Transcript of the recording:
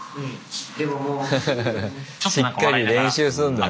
しっかり練習すんだね。